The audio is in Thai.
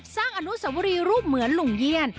อนุสวรีรูปเหมือนลุงเยี่ยน